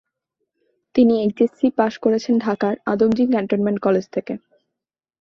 তিনি এইচএসসি পাশ করেছেন ঢাকার আদমজী ক্যান্টনমেন্ট কলেজ থেকে।